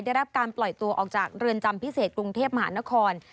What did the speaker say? ได้รับการปล่อยตัวออกจากเรือนจำพิเศษกรุงเทพมหานคร